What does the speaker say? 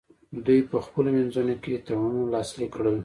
دوی په خپلو منځونو کې تړونونه لاسلیک کړل